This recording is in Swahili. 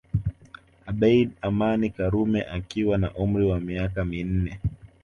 Abeid Amani Karume akiwa na umri wa miaka minne